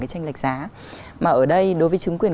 tranh lệch giá mà ở đây đối với chứng quyền